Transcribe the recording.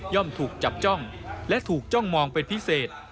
ถูกจับจ้องและถูกจ้องมองเป็นพิเศษ